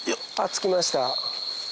つきました。